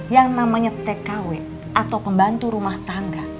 yang namanya tkw atau pembantu rumah tangga